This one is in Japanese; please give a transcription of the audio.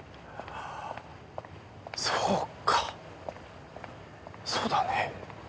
そっかそうだね。